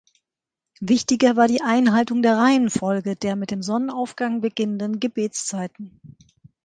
Wichtiger war die Einhaltung der Reihenfolge der mit dem Sonnenaufgang beginnenden Gebetszeiten.